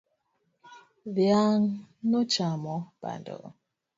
Dhiang' nochamo bando